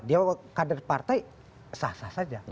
dia kader partai sah sah saja